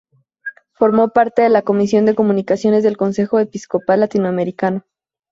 Formó parte de la Comisión de Comunicaciones del Consejo Episcopal Latinoamericano.